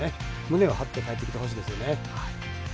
胸を張って帰ってきてほしいですよね。